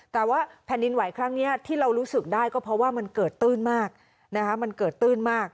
แต่ว่าแผ่นดินไหวครั้งนี้ที่เรารู้สึกได้ก็เพราะว่ามันเกิดตื้นมากนะคะมันเกิดตื้นมาก